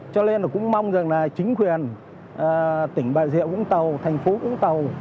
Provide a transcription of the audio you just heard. cho nên là cũng mong rằng là chính quyền tỉnh bà rịa vũng tàu thành phố vũng tàu